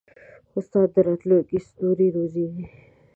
استاد د راتلونکي ستوري روزي.